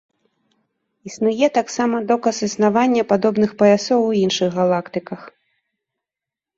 Існуе таксама доказ існавання падобных паясоў у іншых галактыках.